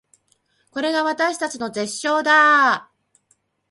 これが私たちの絶唱だー